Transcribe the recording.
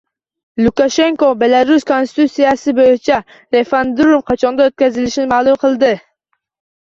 Lukashenko Belarus konstitutsiyasi bo‘yicha referendum qachon o‘tkazilishini ma’lum qildi